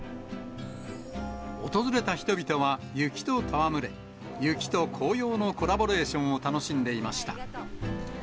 訪れた人々は、雪と戯れ、雪と紅葉のコラボレーションを楽しんでいました。